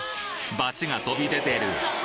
ばちが飛び出てる！